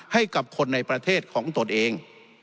ให้กับคนในประเทศของตนเอง